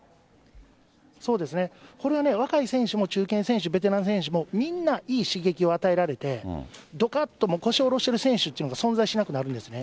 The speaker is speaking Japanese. そうですね、これはね、若い選手も中堅選手、ベテランの選手も、みんないい刺激を与えられて、どかっともう腰下ろしてる選手っていうのが存在しなくなるんですね。